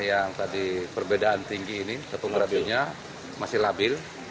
yang tadi perbedaan tinggi ini tepung labilnya masih labil